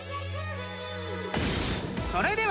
［それでは］